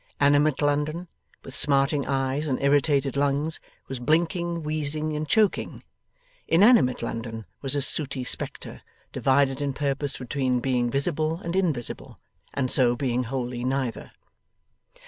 Animate London, with smarting eyes and irritated lungs, was blinking, wheezing, and choking; inanimate London was a sooty spectre, divided in purpose between being visible and invisible, and so being wholly neither.